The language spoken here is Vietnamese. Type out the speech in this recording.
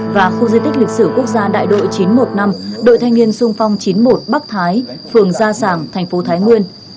và khu di tích lịch sử quốc gia đại đội chín trăm một mươi năm đội thanh niên sung phong chín mươi một bắc thái phường gia sảng thành phố thái nguyên